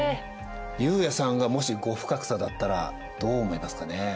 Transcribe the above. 悠也さんがもし後深草だったらどう思いますかね？